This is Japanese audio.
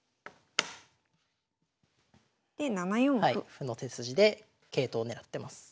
歩の手筋で桂頭を狙ってます。